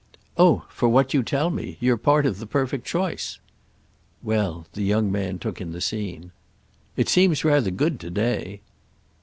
"Oh for what you tell me. You're part of the perfect choice." Well, the young man took in the scene. "It seems rather good to day."